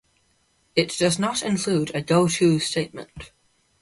It does not include a goto statement.